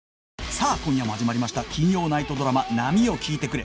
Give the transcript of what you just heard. さあ今夜も始まりました金曜ナイトドラマ『波よ聞いてくれ』